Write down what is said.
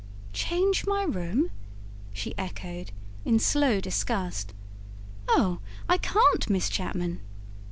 "Change my room?" she echoed, in slow disgust. "Oh, I can't, Miss Chapman!"